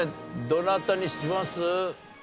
どなたにします？